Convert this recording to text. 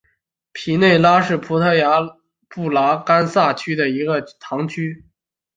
皮内拉是葡萄牙布拉干萨区的一个堂区。